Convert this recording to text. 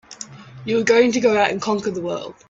You were going to go out and conquer the world!